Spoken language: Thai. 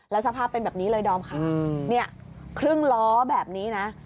สภาพเป็นแบบนี้เลยดอมค่ะเนี่ยครึ่งล้อแบบนี้นะ